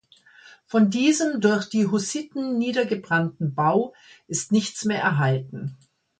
Von diesem durch die Hussiten niedergebrannten Bau ist nichts mehr erhalten.